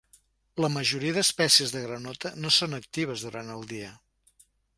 La majoria d'espècies de granota no són actives durant el dia.